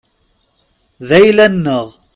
D ayla-nneɣ.